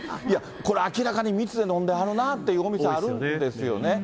これ、明らかに密で飲んではるなっていうお店、あるんですよね。